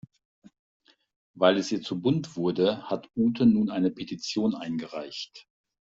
Weil es ihr zu bunt wurde, hat Ute nun eine Petition eingereicht.